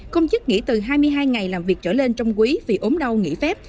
công chức nghỉ từ hai mươi hai ngày làm việc trở lên trong quý vì ốm đau nghỉ phép